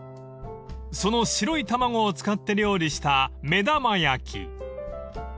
［その白い卵を使って料理した］